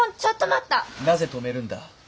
なぜ止めるんだ？